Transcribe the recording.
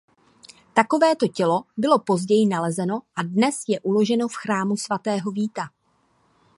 Takovéto tělo bylo později nalezeno a dnes je uloženo v chrámu svatého Víta.